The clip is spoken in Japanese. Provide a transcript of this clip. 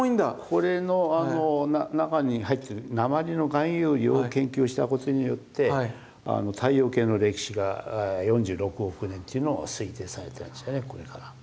これの中に入ってる鉛の含有量を研究したことによって太陽系の歴史が４６億年というのを推定されてるんですよねこれから。